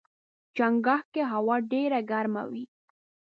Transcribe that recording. چنګاښ کې هوا ډېره ګرمه وي.